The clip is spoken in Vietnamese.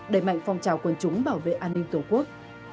xin chào quân chúng bảo vệ an ninh tổ quốc